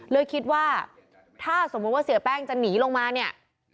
เลยคิดว่าถ้าสมมุติว่าเสียแป้งจะหนีลงมาเนี่ย